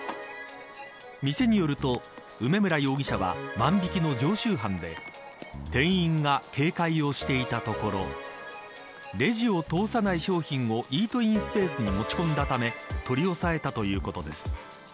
店によると、梅村容疑者は万引きの常習犯で店員が警戒をしていたところレジを通さない商品をイートインスペースに持ち込んだため取り押さえたということです。